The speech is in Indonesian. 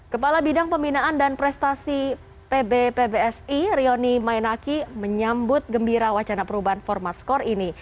kepala bidang pembinaan dan prestasi pb pbsi rioni mainaki menyambut gembira wacana perubahan format skor ini